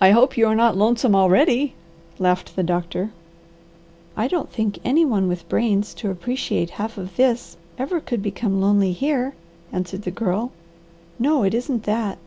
"I hope you are not lonesome already," laughed the doctor. "I don't think any one with brains to appreciate half of this ever could become lonely here," answered the Girl. "No, it isn't that."